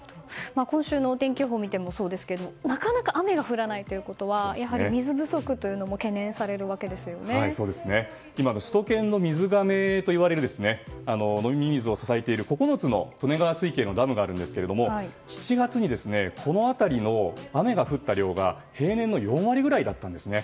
今週の予報を見てもそうですがなかなか雨が降らないということは、水不足も首都圏の水がめといわれる飲み水を支えている９つの利根川水系のダムがありますが７月にこの辺りの雨が降った量が平年の４割ぐらいだったんですね。